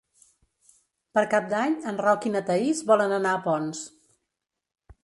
Per Cap d'Any en Roc i na Thaís volen anar a Ponts.